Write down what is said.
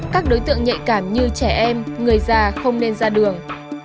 các đối tượng nhạy cảm như trẻ em người già không nên ra đường